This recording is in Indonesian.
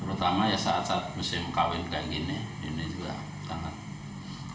terutama ya saat saat musim kawin kayak gini ini juga sangat